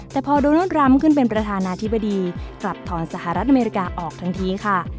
แต่พอโดนัลดทรัมป์ขึ้นเป็นประธานาธิบดีกลับถอนสหรัฐอเมริกาออกทันทีค่ะ